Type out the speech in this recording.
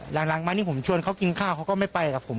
หลังมานี่ผมชวนเขากินข้าวเขาก็ไม่ไปกับผม